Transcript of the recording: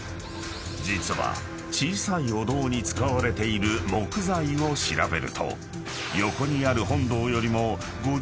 ［実は小さいお堂に使われている木材を調べると横にある］